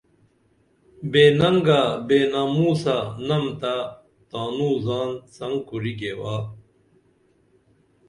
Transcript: بے ننگہ بے ناموسہ نمتہ تاںوں زان څنگ کُری گیوا